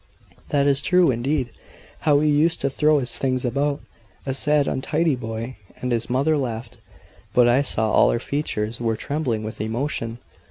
"That is true, indeed. How he used to throw his things about! A sad untidy boy!" And his mother laughed; but I saw all her features were trembling with emotion.